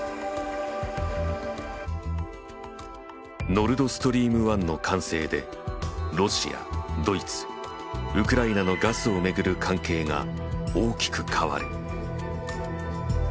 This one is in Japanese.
ノルドストリーム１の完成でロシアドイツウクライナのガスを巡る関係が大きく変わる。